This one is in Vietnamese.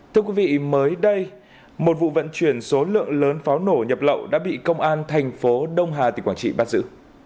thưa quý vị mới đây một vụ vận chuyển số lượng lớn pháo nổ nhập lậu đã bị công an thành phố đông hà tỉnh quảng trị bắt giữ